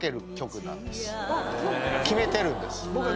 決めてるんです。